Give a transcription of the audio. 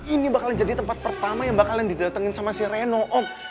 ini bakal jadi tempat pertama yang bakalan didatengin sama si reno om